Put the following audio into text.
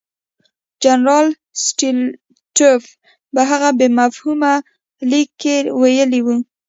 جنرال سټولیټوف په هغه بې مفهومه لیک کې ویلي وو.